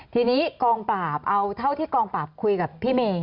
ทีนี้กองปราบเอาเท่าที่กองปราบคุยกับพี่เมย์